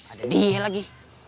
ada dia lagi